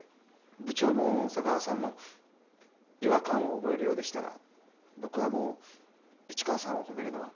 部長も小佐川さんも違和感を覚えるようでしたら僕はもう市川さんを褒めるのは。